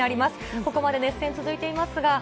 ここまで熱戦が続いています。